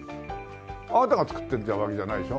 あなたが作ってるわけじゃないでしょ？